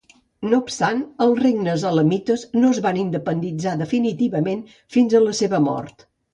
No obstant els regnes elamites no es van independitzar definitivament fins a la seva mort.